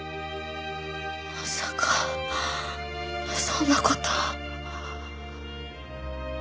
まさかそんな事。